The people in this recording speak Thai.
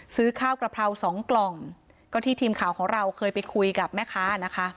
ซื้อข้าวกระเพราสองกล่องก็ที่ทีมข่าวของเราเคยไปคุยกับแม่ค้านะคะ